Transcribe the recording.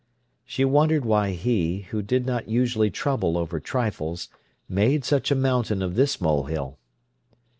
She wondered why he, who did not usually trouble over trifles, made such a mountain of this molehill.